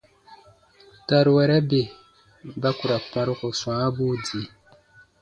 Taruwɛrɛ bè ba ku ra kparuko swãabuu di.